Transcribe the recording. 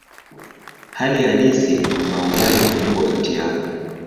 Hali halisi kuna umbali mkubwa kati yao.